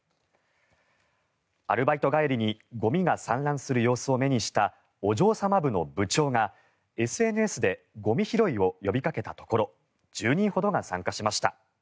アルバイト帰りにゴミが散乱する様子を目にしたお嬢様部の部長が、ＳＮＳでゴミ拾いを呼びかけたところ１０人ほどが参加しました。